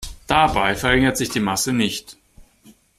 Dabei verringert sich die Masse nicht.